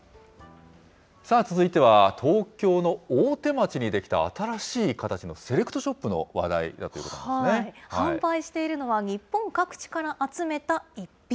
さあ、続いては東京の大手町に出来た、新しい形のセレクトショッ販売しているのは、日本各地から集めた逸品。